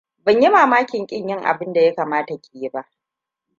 Ban yi mamakin kin yin abin da ya kamata ki yi ba.